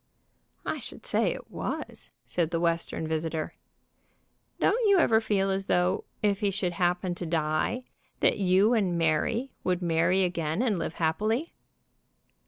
"I should say it was," said the Western visitor. "Don't you ever feel as though, if he should happen to die, that you and Mary would marry again and live happily?"